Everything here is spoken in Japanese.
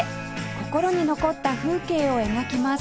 心に残った風景を描きます